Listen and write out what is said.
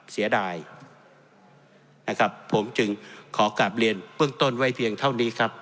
เสียดายนะครับผมจึงขอกลับเรียนเบื้องต้นไว้เพียงเท่านี้ครับ